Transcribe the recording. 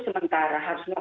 tentang kondisi prinetik